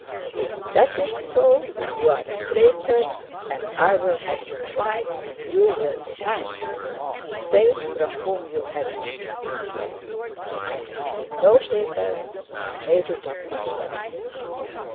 'If that's so, you're a traitor and I'll have you tried, and you'll be hanged! Say from whom you had it.' 'I have seen no papers, I made it up myself.